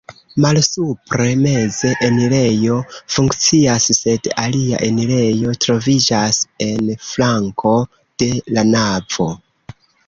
Malsupre meze enirejo funkcias, sed alia enirejo troviĝas en flanko de la navo.